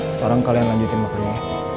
sekarang kalian lanjutin makan ya